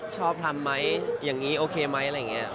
ชอบทำไหมอย่างนี้โอเคไหมอะไรอย่างนี้